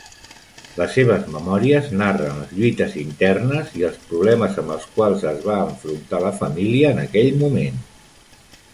Les seves memòries narren les lluites internes i els problemes amb els quals es va enfrontar la família en aquell moment.